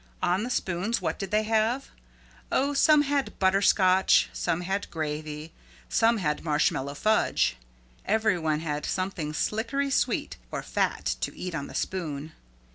On the spoons, what did they have? Oh, some had butter scotch, some had gravy, some had marshmallow fudge. Every one had something slickery sweet or fat to eat on the spoon.